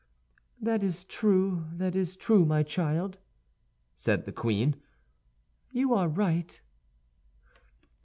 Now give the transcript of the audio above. "That is true, that is true, my child," said the queen, "you are right."